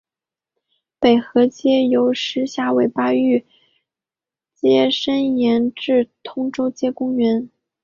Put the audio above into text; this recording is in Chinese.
北河街由石硖尾巴域街伸延至通州街公园。